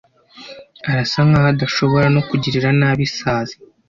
Arasa nkaho adashobora no kugirira nabi isazi